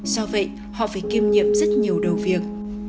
do vậy họ phải kiêm nhiệm rất nhiều đầu việc